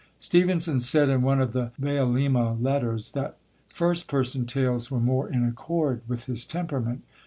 Stevenson said, in one of the Vailima Letters, that first person tales were more in accord with his temperament.